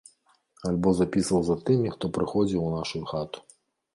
Альбо запісваў за тымі, хто прыходзіў у нашую хату.